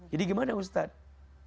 jadi gimana ustadz